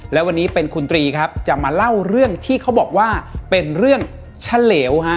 และวันนี้เป็นคุณตรีครับจะมาเล่าเรื่องที่เขาบอกว่าเป็นเรื่องเฉลวฮะ